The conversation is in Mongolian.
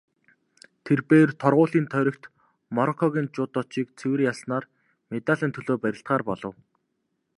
Тэр бээр торгуулийн тойрогт Мороккогийн жүдочийг цэвэр ялснаар медалийн төлөө барилдахаар болов.